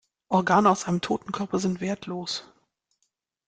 Organe aus einem toten Körper sind wertlos.